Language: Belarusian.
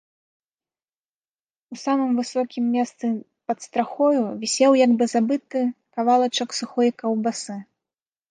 У самым высокім месцы пад страхою вісеў як бы забыты кавалачак сухой каўбасы.